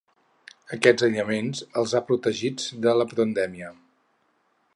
Aquest aïllament els ha protegits de la pandèmia.